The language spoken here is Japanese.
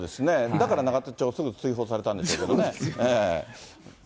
だから永田町、すぐ追放されたんでしょうけどね。